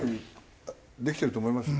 できてると思いますよ。